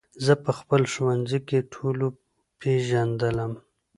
زه په خپل ښوونځي کې ټولو پېژندلم